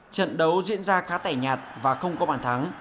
trận đấu diễn ra khá tẻ nhạt và không có bàn thắng